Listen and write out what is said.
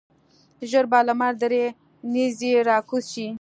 ژر به لمر درې نیزې راکوز شي.